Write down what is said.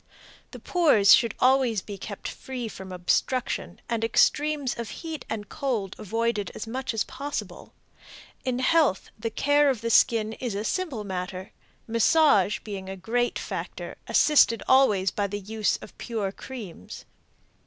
The pores should always be kept free from obstruction and extremes of heat and cold avoided as much as possible. In health, the care of the skin is a simple matter, massage being a great factor, assisted always by the use of pure creams.